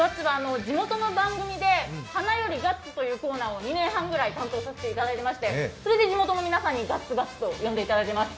地元の番組で「花よりガッツ」というコーナーを２年ぐらい担当させていただいていて、それで地元の皆さんにガッツ、ガッツと呼んでいただいています。